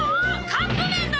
カップ麺だ！